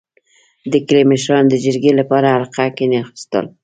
• د کلي مشران د جرګې لپاره حلقه کښېناستل.